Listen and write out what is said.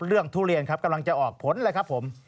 ทุเรียนครับกำลังจะออกผลเลยครับผม